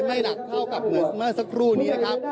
ไม่หนักเท่ากับเหมือนเมื่อสักครู่นี้นะครับ